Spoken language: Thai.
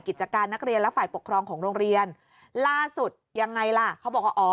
กิจการนักเรียนและฝ่ายปกครองของโรงเรียนล่าสุดยังไงล่ะเขาบอกว่าอ๋อ